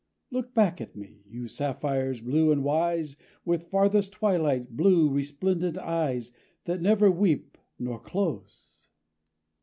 Look back at me, you sapphires blue and wise With farthest twilight, blue resplendent eyes That never weep, nor close.